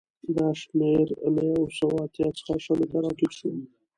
دا شمېر له یو سوه اتیا څخه شلو ته راټیټ شو